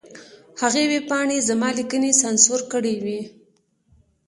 هغې ویبپاڼې زما لیکنې سانسور کړې وې.